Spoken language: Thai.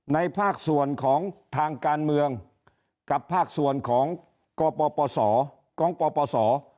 ในภาคส่วนของทางการเมืองกับภาคส่วนของกปส